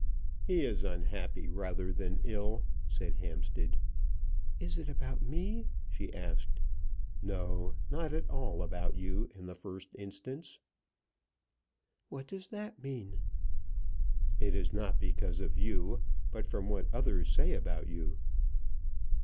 "He is unhappy rather than ill," said Hampstead. "Is it about me?" she asked. "No; not at all about you in the first instance." "What does that mean?" "It is not because of you; but from what others say about you."